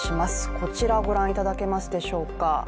こちらご覧いただけますでしょうか。